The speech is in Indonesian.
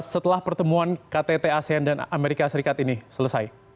setelah pertemuan ktt asean dan amerika serikat ini selesai